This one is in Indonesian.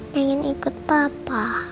pengen ikut papa